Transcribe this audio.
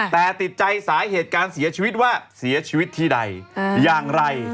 แต่ติดใจสาเหตุการเสียชีวิตว่าเสียชีวิตที่ใดอย่างไร